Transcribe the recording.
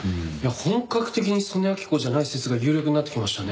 本格的に曽根明子じゃない説が有力になってきましたね。